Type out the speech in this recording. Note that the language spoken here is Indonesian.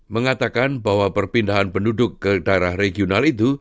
mengatakan bahwa perpindahan penduduk ke daerah regional itu